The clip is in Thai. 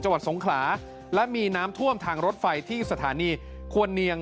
จังหวัดสงขลาและมีน้ำท่วมทางรถไฟที่สถานีควรเนียง